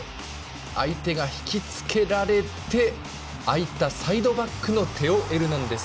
相手が引きつけられて空いたサイドバックのテオ・エルナンデス。